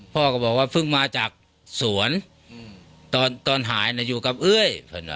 พ่อก็บอกว่าเพิ่งมาจากสวนตอนหายอยู่กับเอ้ย